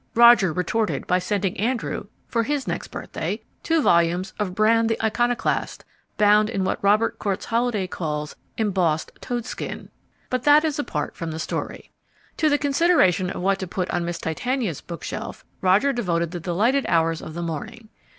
Roger retorted by sending Andrew (for his next birthday) two volumes of Brann the Iconoclast bound in what Robert Cortes Holliday calls "embossed toadskin." But that is apart from the story. To the consideration of what to put on Miss Titania's bookshelf Roger devoted the delighted hours of the morning.